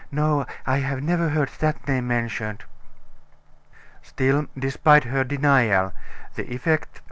no, I have never heard that name mentioned." Still despite her denial, the effect of M.